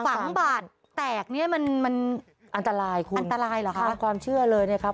ฝังบาดแตกเนี้ยมันมันอันตรายคุณอันตรายเหรอคะความเชื่อเลยนะครับ